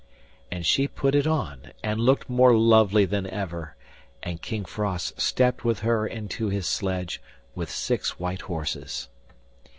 And she put it on, and looked more lovely than ever, and King Frost stepped with her into his sledge, with six white horses.